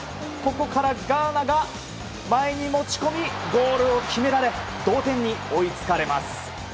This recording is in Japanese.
ここからガーナが前に持ち込み、ゴールを決められ同点に追いつかれます。